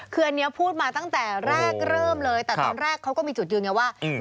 คืออันนี้พูดมาตั้งแต่แรกเริ่มเลยแต่ตอนแรกเขาก็มีจุดยืนไงว่า